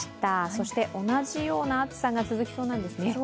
そして同じような暑さが続きそうなんですね。